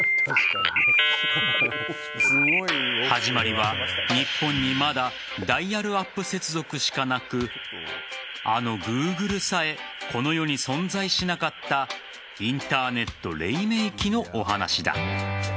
始まりは、日本にまだダイヤルアップ接続しかなくあのＧｏｏｇｌｅさえこの世に存在しなかったインターネット黎明期のお話だ。